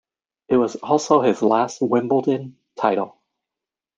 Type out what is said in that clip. It was also his last Wimbledon title.